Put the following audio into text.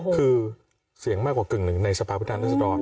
คือเสียงมากกว่ากึ่งหนึ่งในสภาพัฒนาศิลป์